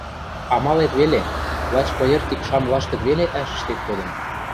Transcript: Амалет веле, лач пыйыртик шам лаштык веле ӓшӹштет кодын